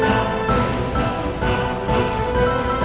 sangat berosak tuh